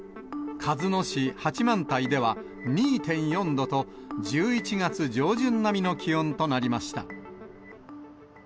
鹿角市八幡平では２．４度と、１１月上旬並みの気温となりました。